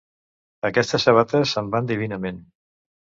Aquestes sabates em van divinament.